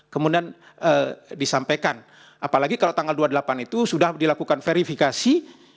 kemudian disampaikan apalagi kalau tanggal dua puluh delapan itu sudah dilakukan verifikasi